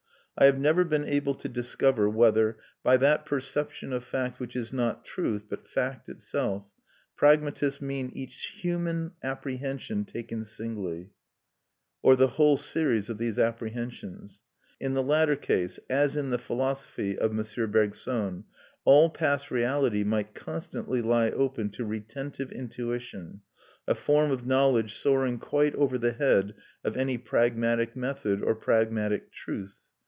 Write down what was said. I have never been able to discover whether, by that perception of fact which is not "truth" but fact itself, pragmatists meant each human apprehension taken singly, or the whole series of these apprehensions. In the latter case, as in the philosophy of M. Bergson, all past reality might constantly lie open to retentive intuition, a form of knowledge soaring quite over the head of any pragmatic method or pragmatic "truth."